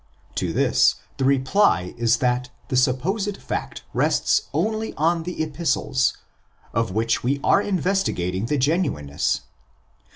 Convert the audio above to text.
To this the reply is that the supposed fact rests only on the Epistles, of which we are investigating the genuine ness.